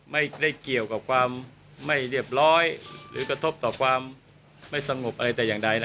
ไม่ได้เกี่ยวกับความไม่เรียบร้อยหรือกระทบต่อความไม่สงบอะไรแต่อย่างใดนะ